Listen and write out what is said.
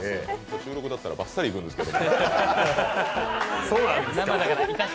収録だったらバッサリいくんですけど。